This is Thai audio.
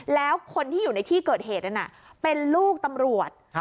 แล้วคนที่อยู่ในที่เกิดเหตุนั้นเป็นลูกตำรวจ